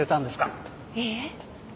いいえ。